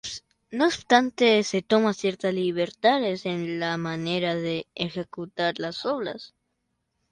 No obstante, se toma ciertas libertades en la manera de ejecutar la obra.